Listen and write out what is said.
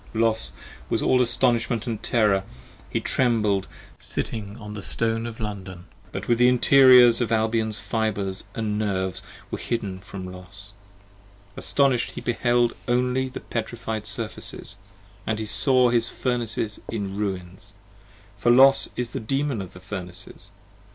Los was all astonishment & terror; he trembled sitting on the Stone Of London; but the interiors of Albion's fibres & nerves were hidden 5 From Los; astonish'd he beheld only the petrified surfaces; And saw his Furnaces in ruins, for Los is the Demon of the Furnaces.